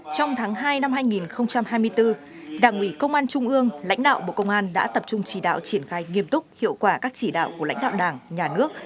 trong tháng hai năm hai nghìn hai mươi bốn đảng ủy công an trung ương lãnh đạo bộ công an đã tập trung chỉ đạo triển khai nghiêm túc hiệu quả các chỉ đạo của lãnh đạo đảng nhà nước